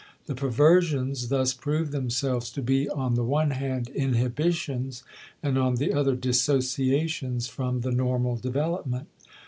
The perversions, thus prove themselves to be on the one hand inhibitions, and on the other dissociations from the normal development.